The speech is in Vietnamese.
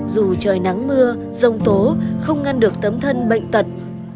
dù trời nắng mưa rông tố không ngăn được tấm thân bệnh tật